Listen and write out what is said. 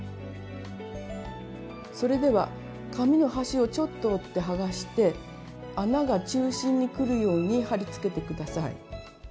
それでは紙の端をちょっと折って剥がして穴が中心にくるように貼り付けて下さい。